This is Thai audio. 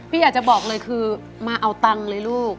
อยากจะบอกเลยคือมาเอาตังค์เลยลูก